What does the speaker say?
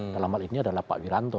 dalam hal ini adalah pak wiranto